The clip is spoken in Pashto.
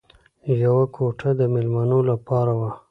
یوه کوټه د مېلمنو لپاره وه